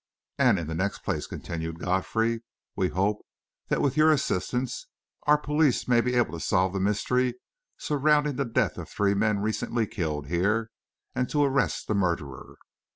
"And in the next place," continued Godfrey, "we hope that, with your assistance, our police may be able to solve the mystery surrounding the death of the three men recently killed here, and to arrest the murderer.